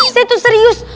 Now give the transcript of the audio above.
saya itu serius